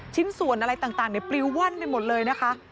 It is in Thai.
ชิ้นส่วนอะไรต่างในปลิวว่อนไปหมดเลยนะคะ